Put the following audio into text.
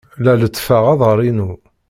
La lettfeɣ aḍar-inu.